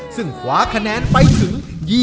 ซึ่งคว้าคะแนนไปถึง